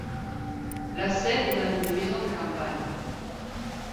La scène est dans une maison de campagne.